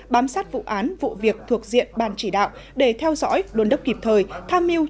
bám sát vụ án vụ việc thuộc diện ban chỉ đạo để theo dõi đồn đốc kịp thời tham mưu